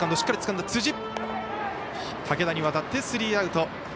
武田に渡ってスリーアウト。